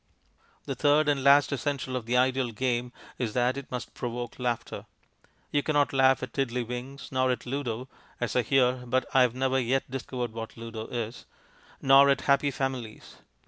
The third and last essential of the ideal game is that it must provoke laughter. You cannot laugh at Tiddleywinks, nor at Ludo (as I hear, but I have never yet discovered what Ludo is), nor at Happy Families.